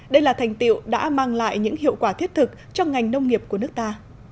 đây là thành tiệu đã mang lại những hiệu quả thiết thực cho ngành nông nghiệp của nước ta